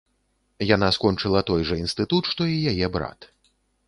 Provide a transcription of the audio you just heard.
Яна скончыла той жа інстытут, што і яе брат.